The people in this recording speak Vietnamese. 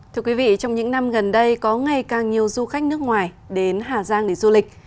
thưa quý vị trong những năm gần đây có ngày càng nhiều du khách nước ngoài đến hà giang để du lịch